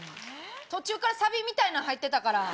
途中からサビみたいなの入ってたから。